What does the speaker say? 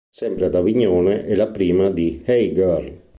Sempre ad Avignone è la prima di "Hey girl!